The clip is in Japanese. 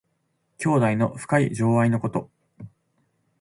兄弟の深い情愛のこと。